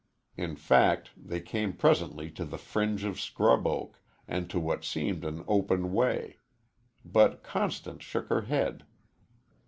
In fact, they came presently to the fringe of scrub oak, and to what seemed an open way. But Constance shook her head.